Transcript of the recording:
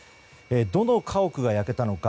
どの家屋が焼けたのか